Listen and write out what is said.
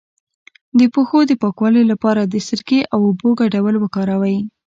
د پښو د پاکوالي لپاره د سرکې او اوبو ګډول وکاروئ